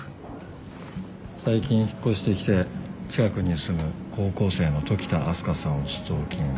最近引っ越してきて近くに住む高校生の時田明日香さんをストーキング。